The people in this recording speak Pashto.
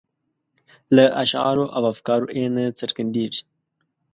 له اشعارو او افکارو یې نه څرګندیږي.